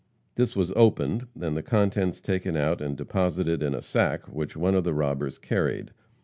This was opened, and the contents taken out and deposited in a sack which one of the robbers carried.